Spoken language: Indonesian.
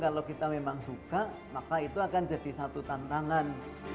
kalau kita memang suka maka itu akan jadi satu tantangan